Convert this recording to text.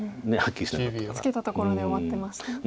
ツケたところで終わってましたよね。